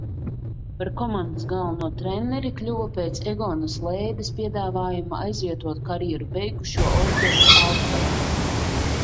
Par komandas galveno treneri kļuva pēc Egona Slēdes piedāvājuma aizvietot karjeru beigušo Oļģertu Altbergu.